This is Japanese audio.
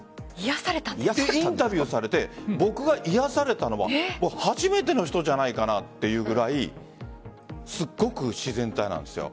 インタビューされて僕が癒やされたのは初めての人じゃないかなというぐらいすごく自然体なんですよ。